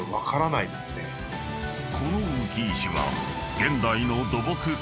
［この浮石は］